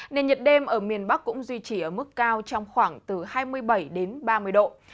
nền nhiệt đêm ở miền bắc cũng duy trì ở mức cao trong khoảng từ hai mươi bảy đến ba mươi độ